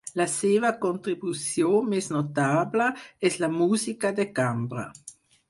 La seva contribució més notable és la música de cambra.